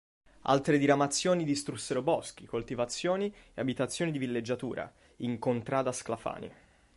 Altre diramazioni distrussero boschi, coltivazioni e abitazioni di villeggiatura in "Contrada Sclafani".